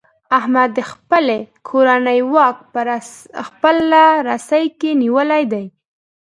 احمد د خپلې کورنۍ واک په خپله رسۍ کې نیولی دی.